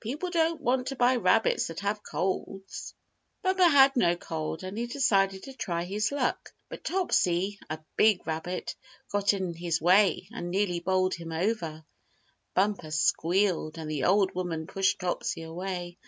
"People don't want to buy rabbits that have colds." Bumper had no cold, and he decided to try his luck, but Topsy, a big rabbit, got in his way, and nearly bowled him over. Bumper squealed, and the old woman pushed Topsy away.